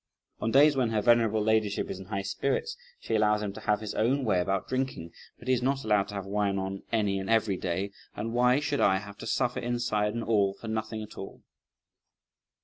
On days when her venerable ladyship is in high spirits, she allows him to have his own way about drinking, but he's not allowed to have wine on any and every day; and why should I have to suffer inside and all for nothing at all?"